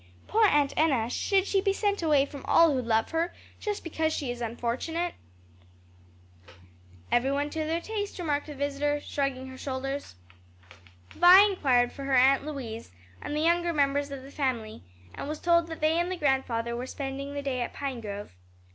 "Poor Aunt Enna! should she be sent away from all who love her, just because she is unfortunate?" "Every one to their taste," remarked the visitor, shrugging her shoulders. Vi inquired for her Aunt Louise and the younger members of the family, and was told that they and the grandfather were spending the day at Pinegrove.